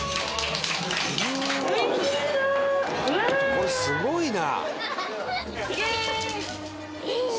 これすごいな！